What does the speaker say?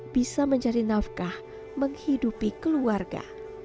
bisa mencari nafkah menghidupi keluarga